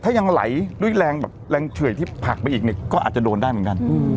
ถ้ายังไหลด้วยแรงแบบแรงเฉื่อยที่ผลักไปอีกเนี่ยก็อาจจะโดนได้เหมือนกัน